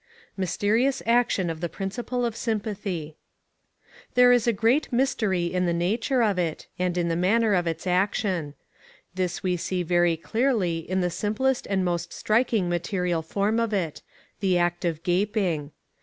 Mysterious Action of the Principle of Sympathy. There is a great mystery in the nature of it, and in the manner of its action. This we see very clearly in the simplest and most striking material form of it the act of gaping.